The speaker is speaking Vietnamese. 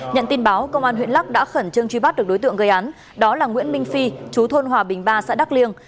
nhận tin báo công an huyện lắc đã khẩn trương truy bắt được đối tượng gây án đó là nguyễn minh phi chú thôn hòa bình ba xã đắk liêng